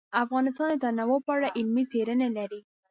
افغانستان د تنوع په اړه علمي څېړنې لري.